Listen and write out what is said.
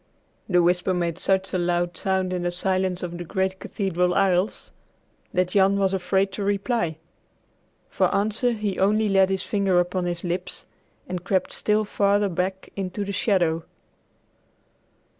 The whisper made such a loud sound in the silence of the great cathedral aisles that Jan was afraid to reply. For answer he only laid his finger upon his lips and crept still farther back into the shadow.